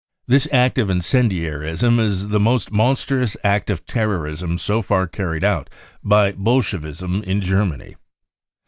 " This act of incendiarism is the most monstrous act of terrorism so far carried out by Bolshevism in Germany.